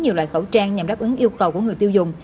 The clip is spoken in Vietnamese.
nhiều loại khẩu trang nhằm đáp ứng yêu cầu của người tiêu dùng